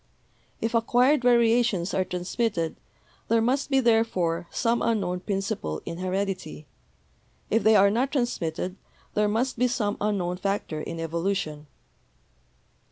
If acquired variations are transmitted, there must be, therefore, some unknown principle in heredity ; if they are not transmitted, there must be some unknown factor in evolution."